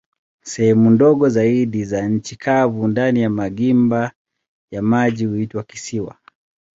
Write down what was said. Sehemu ndogo zaidi za nchi kavu ndani ya magimba ya maji huitwa kisiwa.